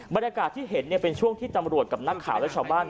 บรรยากาศที่เห็นเป็นช่วงที่ตำรวจกับนักข่าวและชาวบ้าน